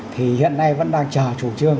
thì hiện nay vẫn đang chờ chủ trương